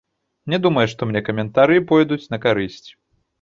Не думаю, што мне каментары пойдуць на карысць.